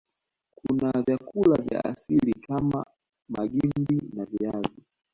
Kuna vyakula vya asili kama Magimbi na viazi